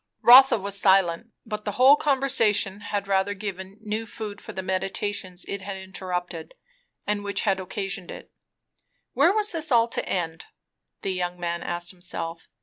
Rotha was silent. But the whole conversation had rather given new food for the meditations it had interrupted and which had occasioned it. Where was all this to end? the young man asked himself.